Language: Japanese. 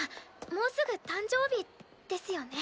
もうすぐ誕生日ですよね。